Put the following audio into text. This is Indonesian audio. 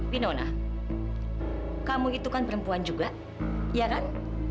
pinona kamu itu kan perempuan juga ya kan